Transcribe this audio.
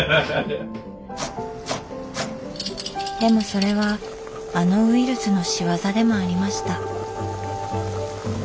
でもそれはあのウイルスの仕業でもありました。